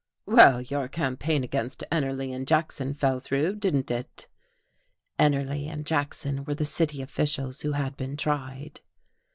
"Well, your campaign against Ennerly and Jackson fell through, didn't it?" Ennerly and Jackson were the city officials who had been tried.